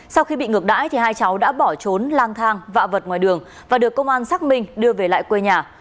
sau khi bị ngược đãi thì hai cháu đã bỏ trốn lang thang vạ vật ngoài đường và được công an xác minh đưa về lại quê nhà